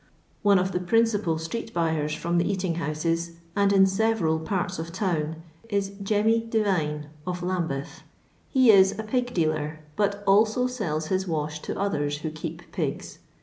One of the principal street buyers from the j eating houses, and in several puts of town, is Jemmy Divine, of Lambeth. He is a pig dealer, but also sells his wash to others who keep pigs.